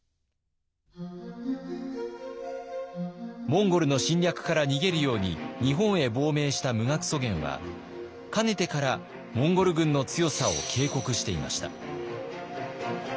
モンゴルの侵略から逃げるように日本へ亡命した無学祖元はかねてからモンゴル軍の強さを警告していました。